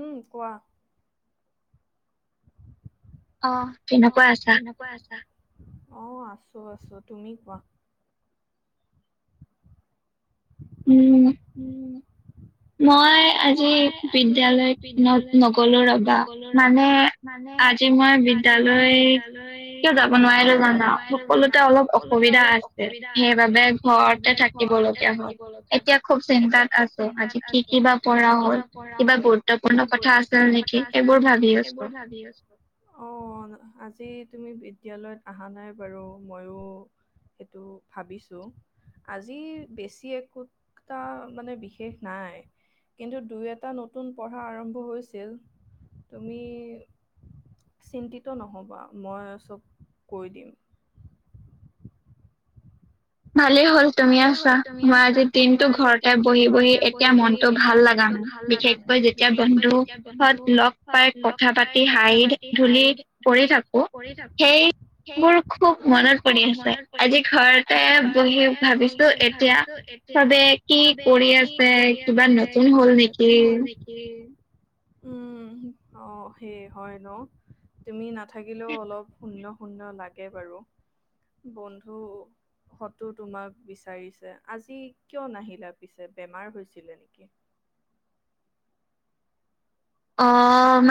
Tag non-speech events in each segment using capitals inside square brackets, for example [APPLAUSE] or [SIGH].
উম কোৱা অ', তেনেকুৱা আছা অ', আছো আছো, আছো তুমি কোৱা উ'ম [UNINTELLIGIBLE] মই আজি বিদ্যালয়ত নগলো ৰবা মানে আজি মই বিদ্যালয় কিয় যাব নোৱাৰিলো জানা সকলোতে অলপ অসুবিধা আছে সেইবাবে ঘৰতে থাকিব লগীয়া হল এতিয়া খুব চিন্তাত আছো আজি আজি কি কিবা কৰা হল কিবা গুৰুত্বপূৰ্ণ কথা আছিল নেকি সেইবোৰ ভাবি আছো অ', আজি তুমি বিদ্যালয়ত অহা নাই বাৰু ময়ো সেইটো ভাবিছোঁ আজি বেছি একোটা মানে বিশেষ নাই। কিন্তু দুই এটা নতুন পঢ়া আৰম্ভ হৈছিল তুমি চিন্তিত নহ'বা মই চব কৈ দিম। ভালেই হল তুমি আছা মই আজি দিনটো ঘৰতে বহি বহি এতিয়া মনতটো ভাল লগা মানে বিশেষকৈ যেতিয়া বন্ধুহঁত লগ পাই কথা পাতি হাঁহি ধলি কৰি থাকো সেইবোৰ খুব মনত পৰি আছে আজি ঘৰত এ বহি এ বহি ভাবিছো এতিয়া চবে কি কৰি আছে কিবা নতুন হল নেকি উ'ম অ', সেই হয় ন তুমি না নাথাকিলেওঁ অলপ শুনিলো সুন্দৰ লাগে বাৰু বন্ধু তোমাক বিচাৰিছে আজি কিয় নাহিলা পিছে বেমাৰ হৈছিলে নেকি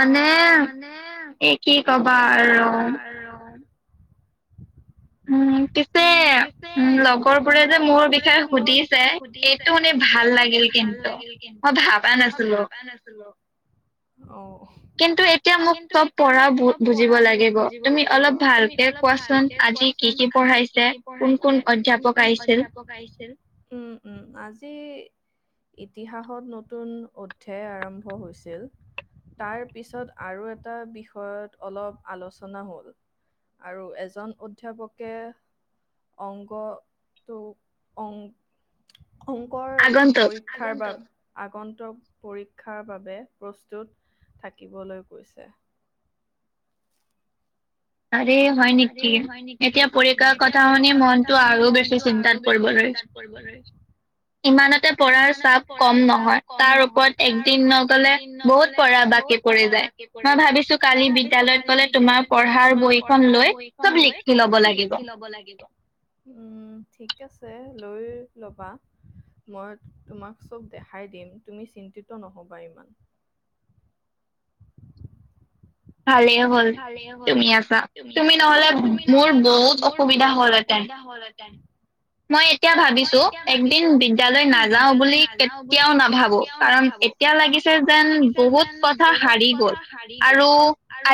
অ মানে এ কি কবা আৰু উ'ম পিছে লগৰ বোৰে যে মোৰ বিষয়ে সুধিছে সেইটো শুনি ভাল লাগিল কিন্তু মই ভাবা নাছিলো অ', কিন্তু এতিয়া মোক চব পঢ়াও বুজিব লাগিব তুমি অলপ ভালকে কোৱাচোন আজি কি কি পঢ়াইছা। কি কি পঢ়াইছে কোন কোন অধ্য়াপক আহিছিল উম উম আজি ইতিহাসত নতুন অধ্যায় আৰম্ভ হৈছিল তাৰপিছত আৰু এটা বিষয়ত অলপ আলোচনা হ'ল আৰু এজন অধ্যাপকে অংকটো অংক অংকৰ পৰীক্ষাৰ বাবে আগন্তক পৰীক্ষাৰ বাবে প্ৰস্তুত থাকিবলৈ কৈছে আৰে হয় নেকি এতিয়া পৰীকাৰ কথা শুনি মনটো আৰু বেছি চিন্তাত পৰি লৈ ছে ইমানতে পঢ়াৰ চাপ কম নহয় তাৰ ওপৰত একদিন নগলে বহুত পঢ়া বাকী পৰি যায় মই ভাবিছো কালি বিদ্যয়ালয়ত গলে তোমাৰ পঢ়াৰ এইখন লৈ বহীখন লৈ চব লিখি লব লাগে উম ঠিক আছে লৈ ল'বা মই তোমাক চব দেখাই দিম তুমি চিন্তিত নহবা ইমান ভালেই হল তুমি আছা তুমি নহলে মোৰ বহুত অসুবিধা হলহেঁতেন মই এতিয়া ভাবিছো একদিন বিদ্যালয় নাযাও বুলি কেতিয়াও নাভাবো কাৰণ এতিয়া লাগিছে যেন বহুত কথা হাৰি গল আৰু আৰু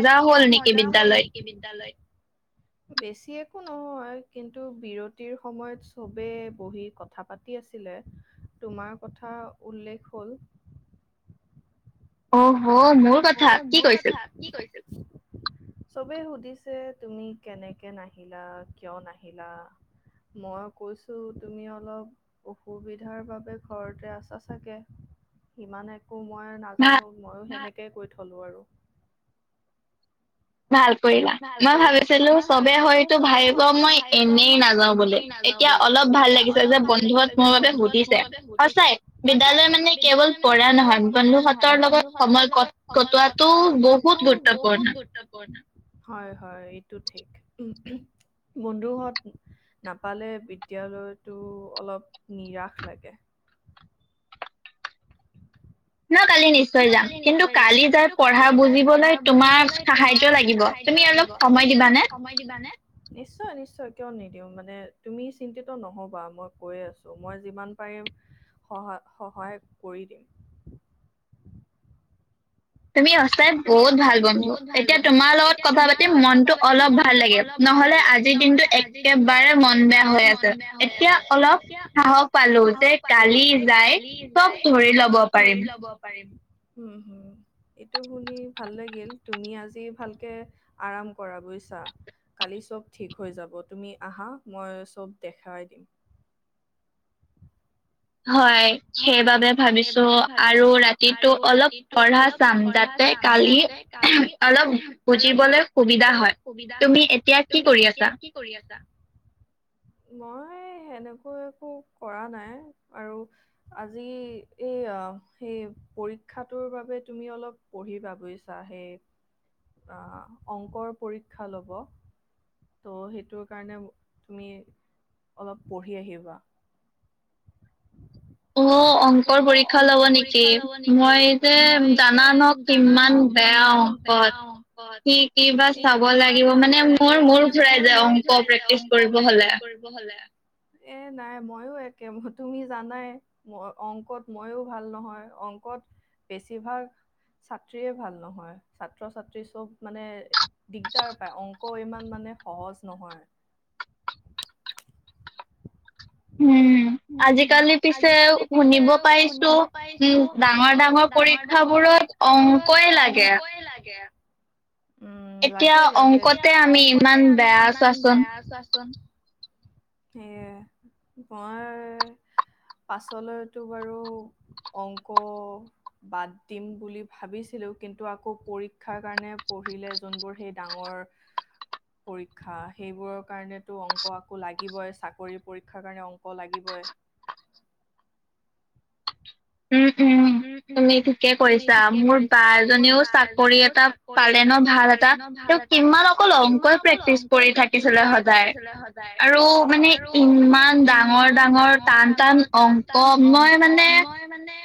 আজি কিবা মজা হ'ল নেকি বিদ্্যালয়ত বেছিয়ে একো নহয় কিন্তু বিৰতিৰ সময়ত চবে বহি কথা পাতি আছিলে তোমাৰ কথা উল্লেখ হল অ হ মোৰ কথা কি কৈছিল চবে সুধিছে তুমি কেনেকে নাহিলা কিয় নাহিলা মই কৈছো তুমি অলপ অসুবিধাৰ বাবে ঘৰতে আছা চাগে ইিমান একো মই নাজানো মইয়ো সেনেকে থলোঁ আৰু ভাল কৰিলা মই ভাবিছিলো চবে হয়তো ভাবিব মই এনেই নাযাওঁ বুলি এতিয়া অলপ ভাল লাগিছে যে বন্ধুহত মোৰ বাবে সুধিছে সঁচাই বিদ্য়ালয় মানে কেৱল পঢ়া নহয় বন্ধুহঁতৰ লগত সময় ক কটোৱাটো বহুত গুৰুত্বপূৰ্ণ হয় হয় এইটো ঠিক বন্ধু হত নাপালে বিদ্যয়ালয়তটো অলপ নিৰাশ লাগে ন কালি নিশ্চয় যাম কিন্তু কালি যাই পঢ়া বুজিবলৈ তোমাৰ সাহাৰ্য লাগিব তুমি অলপ সময় দিবানে নিশ্চয় নিশ্চয় কিয় নিদিওঁ মানে তুমি চিন্তিত নহবা মই কৈ আছো মই যিমান পাৰিম সহ সহায় কৰি দিম তুমি সঁচাই বহুত ভাল বন্ধু এতিয়া তোমাৰ লগত কথা পাতি মনটো অলপ ভাল লাগে নহলে আজিৰ দিনটো একেবাৰে মন বেয়া হৈ আছে এতিয়া অলপ সাহস পালো যে কালি যাই চব ধৰি লব পাৰিম উম হুম এইটো শুনি ভাল লাগিল তুমি আজি ভালকে আৰাম কৰা বুজিছা কালি চব ঠিক হৈ যাব তুমি আহা মই চব দেখুৱাই দিম হয় সেইবাবে ভাবিছো আৰু ৰাতিটো অলপ পঢ়া চাম যাতে কালি অলপ বুজিবলৈ সুবিধা হয় তুমি এতিয়া কি কৰি আছা মই সেনেকুৱা একো কৰা নাই আৰু আজি এই সেই পৰীক্ষাটোৰ বাবে তুমি অলপ পঢ়িবা বুজিছা সেই আহ অংকৰ পৰীক্ষা লব ত' সেইটোৰ কাৰণে তুমি অলপ পঢ়ি আহিবা ৷ অ অংকৰ পৰীক্ষা লব নেকি মই যে জানা ন কিমান বেয়া অংকত কি-কি বা চাব লাগিব মানে মোৰ মূৰ ঘুৰাই যায় অংক প্ৰেক্টিচ কৰিব হলে ৷ তুমি জানাই ম অংকত ময়ো ভাল নহয় অংকত বেছিভাগ ছাত্ৰীয়ে ভাল নহয় ছাত্ৰ ছাত্ৰী চব মানে দিগদাৰ পায় অংক ইমান মানে সহজ নহয়৷ উম আজিকালি পিছে শুনিব পাইছো উম ডাঙৰ - ডাঙৰ পৰীক্ষাবোৰত অংকই লাগে ৷ উম লাগে - লাগে ৷ এতিয়া অংকতে আমি ইমান বেয়া চোৱাচোন এয়া মই পাছলৈতো বাৰু অংক বাদ দিম বুলি ভাবিছিলো কিন্তু আকৌ পৰীক্ষাৰ কাৰণে পঢ়িলে যোনবোৰ সেই ডাঙৰ পৰীক্ষা সেইবোৰৰ কাৰণেটো অংক আকৌ লাগিবই চাকৰি পৰীক্ষাৰ কাৰণে অংক লাগিবই। উম উম তুমি ঠিকে কৈছা মোৰ বা এজনীও চাকৰি এটা পালে ন ভাল এটা তেওঁ কিমান অকল অংকই প্ৰেক্টিচ কৰি থাকিছিলে সদায় আৰু মানে ইমান ডাঙৰ-ডাঙৰ টান-টান অংক মই মানে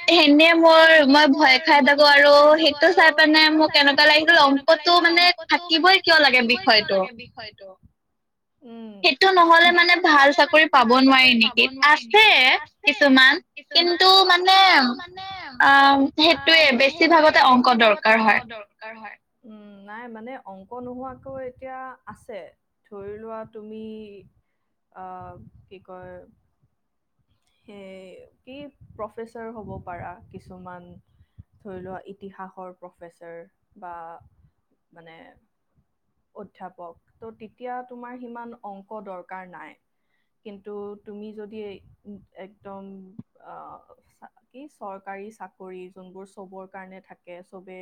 এনে মই মোৰ মই ভয় খাই থাকো আৰু সেইটো চাই পেনে মোৰ এনেকুৱা লাগে অংকটো মানে থাকিবই কিয় লাগে বিষয়টো। সেইটো নহলে মানে ভাল চাকৰি পাব নোৱাৰি নেকি আছে কিছুমান কিন্তু মানে অ সেইটোৱে বেছিভাগতে অংক দৰকাৰ হয়। উম নাই মানে অংক নোহোৱাকৈ এতিয়া আছে ধৰি লোৱা তুমি আহ কি কয় সেই কি প্ৰফেচাৰ হ'ব পাৰা কিছুমান ধৰি লোৱা ইতিহাসৰ প্ৰফেচাৰ বা মানে অধ্যাপক ত তেতিয়া তোমাৰ সিমান অংক দৰকাৰ নাই কিন্তু তুমি যদি এ একদম আ কি চৰকাৰী চাকৰি যোনবোৰ চবৰ কাৰণে থাকে চবে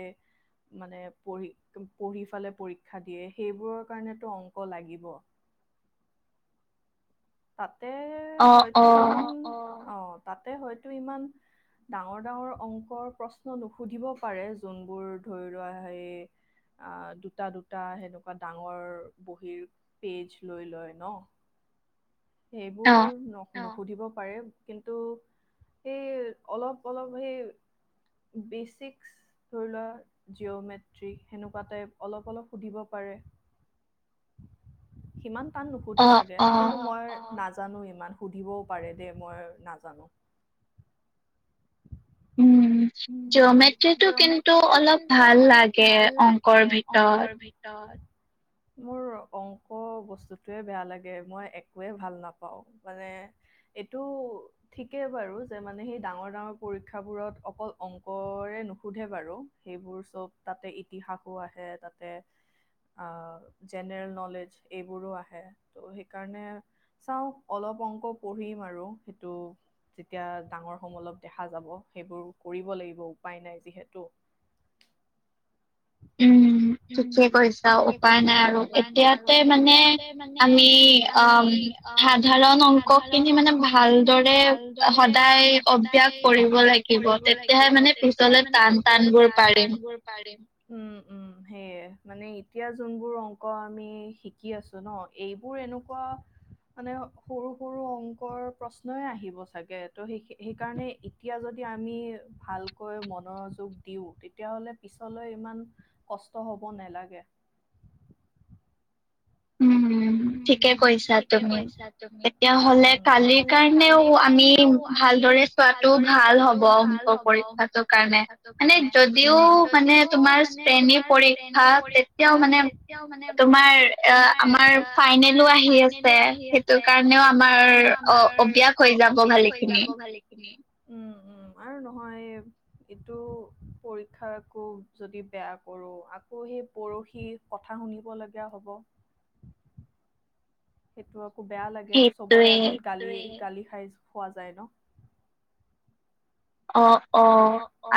মানে পঢ়ি-পঢ়ি ফালে পৰীক্ষা দিয়ে সেইবোৰৰ কাৰণেতো অংক লাগিব। তাত তে হয়তো সিমান অ তাতে হয়তো ইমান ডাঙৰ-ডাঙৰ অংকৰ প্ৰশ্ন নুসুধিব পাৰে যোনবোৰ ধৰি লোৱা সেই দুটা-দুটা সেনেকুৱা ডাঙৰ বহীৰ পেজ লৈ লয় ন৷ সেইবোৰ নক সুধিব পাৰে কিন্তু সেই অলপ-অলপ সেই বেচিক্স ধৰি লোৱা জিঅ'মেট্ৰিক সেনেকুৱা টাইপ অলপ- অলপ সুধিব পাৰে সিমান টান নুহুধে চাগে কিন্তু মোৰ নাজানো ইমান সুধিবও পাৰে দেই মই নাজানো। উ জিঅ মেট্ৰিটো কিন্তু অলপ ভাল লাগে অংকৰ ভিতত। মোৰ অংক বস্তুটোৱে বেয়া লাগে মই একোৱে ভাল নাপাওঁ মানে এইটো ঠিকেই বাৰু যে মানে সেই ডাঙৰ-ডাঙৰ পৰীক্ষাবোৰত অকল অংকৰে নোহুধে বাৰু সেইবোৰ চব তাতে ইতিহাসো আহে তাতে অ জেনেৰেল নলেজ এইবোৰো আহে ত' সেইকাৰণে চাওঁ অলপ অংক পঢ়িম আৰু সেইটো যেতিয়া ডাঙৰ সম অলপ দেখা যাব সেইবোৰ কৰিব লাগিব উপায় নাই যিহেতু। উম ঠিকে কৈছা উপায় নাই আৰু এতিয়াতে মানে আমি অ সাধাৰণ অংক খিনি মানে ভালদৰে সদায় অভ্যাস কৰিব লাগিব। তেত থাকিব তেতিয়াহে মানে পিছলে টান-টান বোৰ পাৰি উম উম সেইয়ে মানে এতিয়া যোনবোৰ অংক আমি শিকি আছো ন এইবোৰ এনেকুৱা মানে সৰু - সৰু অংকৰ প্ৰশ্নয়ে আহিব চাগে ত স সেইকাৰণে এতিয়া যদি আমি ভালকৈ মনৰযোগ দিও, তেতিয়াহলে পিছলৈ ইমান কষ্ট হব নেলাগে। উ থিকে কৈছা তুমি তেতিয়া হলে কালিৰ কাৰণেও আমি ভালদৰে চোৱাটো ভাল হব অংক পৰীক্ষাটো কাৰণে মানে যদিও মানে তোমাৰ শ্ৰেণী পৰীক্ষা তেতিয়াও মানে অ আমাৰ অ আমাৰ ফাইনেলো আহি আছে সেইটো কাৰণেও আমাৰ অ অভ্যাস হৈ যাব ভালে খিনি। উম উম আৰু নহয় এইটো পৰীক্ষা আকৌ যদি বেয়া কৰো আকৌ সেই পৰহি কথা শুনিব লগীয়া হ'ব। সেইটো। বেয়া লাগে চবৰে আগত গালি গালি। খোৱা যায় ন। অ। অ অ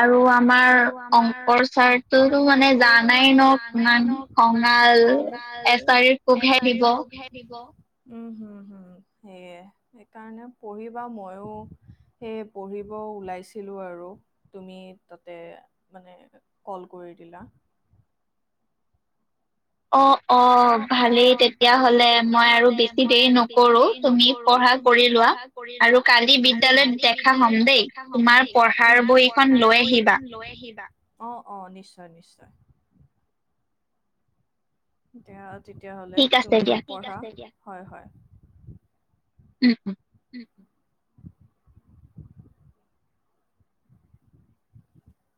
আৰু আমাৰ অংকৰ চাৰটো মানে জানাই ন ইমান খঙাল এচাৰিৰ কোবহে দিব। হম হম সেয়ে সেইকাৰণে পঢ়িবা ময়ো সে পঢ়িব ওলাইছিলোঁ আৰু তুমি তাতে মানে কল কৰি দিলা অঁ অঁ ভালেই তেতিয়াাহলে মই আৰু বেছি দেৰি নকৰো তুমি পঢ়া কৰি লোৱা আৰু কালি বিদ্যালয়ত দেখা হম দেই তোমাৰ পঢ়াৰ বহিখন লৈ আহিবা অঁ অঁ নিশ্চয় নিশ্চয় এতিয়া তেতিয়া হ'লে তুমি পঢ়া হয় হয় উম উম উ